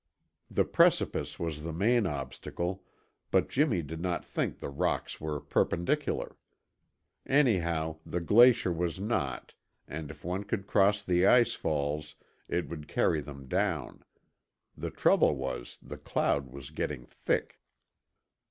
The precipice was the main obstacle, but Jimmy did not think the rocks were perpendicular. Anyhow, the glacier was not, and if one could cross the ice falls, it would carry them down. The trouble was, the cloud was getting thick.